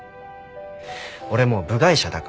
俺もう部外者だから。